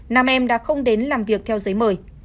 nam em đã không đến làm việc theo giấy mời